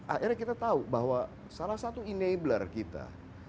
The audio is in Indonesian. akhirnya kita tahu bahwa salah satu enabler kita